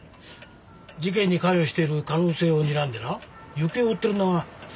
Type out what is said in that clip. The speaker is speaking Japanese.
事件に関与してる可能性をにらんでな行方を追ってるんだが。